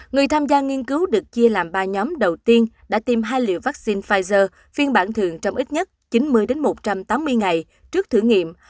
người tham gia nghiên cứu được chia làm ba nhóm đầu tiên đã tiêm hai liều vắc xin pfizer phiên bản thường trong ít nhất chín mươi đến một trăm tám mươi ngày trước thử nghiệm